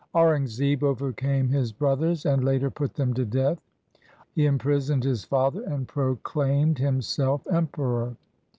Aurungzebe overcame his brothers, and later put them to death. He imprisoned his father, and proclaimed himself emperor.